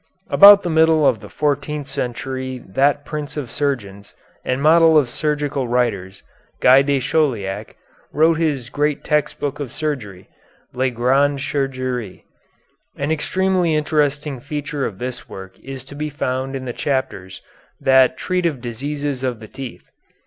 About the middle of the fourteenth century that prince of surgeons, and model of surgical writers, Guy de Chauliac, wrote his great text book of surgery, "Le Grande Chirurgie." An extremely interesting feature of this work is to be found in the chapters that treat of diseases of the teeth.